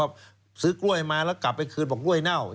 ก็ซื้อกล้วยมาแล้วกลับไปคืนบอกกล้วยเน่า